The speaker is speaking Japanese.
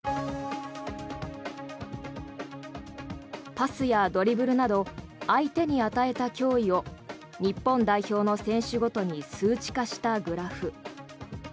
パスやドリブルなど相手に与えた脅威を日本代表の選手ごとに数値化したグラフ。